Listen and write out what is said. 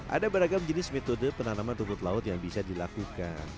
ada beragam jenis metode penanaman rumput laut yang bisa dilakukan